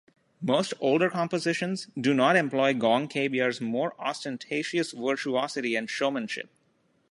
Most older compositions do not employ gong kebyar's more ostentatious virtuosity and showmanship.